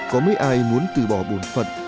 có mấy ai muốn từ bỏ bồn phận